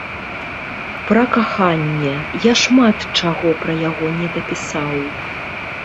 Пра каханне, я шмат чаго пра яго не дапісаў.